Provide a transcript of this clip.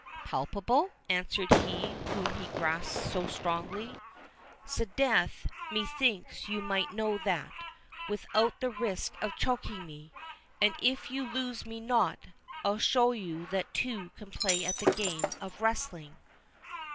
"Palpable?" answered he whom he grasped so strongly—"'Sdeath, methinks you might know that—without the risk of choking me; and if you loose me not, I'll show you that two can play at the game of wrestling."